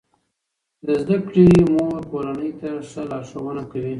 د زده کړې مور کورنۍ ته ښه لارښوونه کوي.